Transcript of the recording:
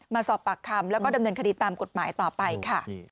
มาสอบปากคำแล้วก็ดำเนินคดีตามกฎหมายต่อไปค่ะ